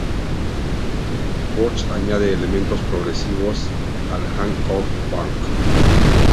Burst añade elementos progresivos al hardcore punk.